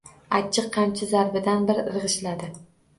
Achchiq qamchi zarbidan bir irg‘ishladi